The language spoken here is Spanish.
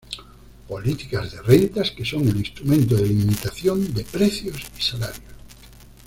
Políticas de rentas que son el instrumento de limitación de precios y salarios.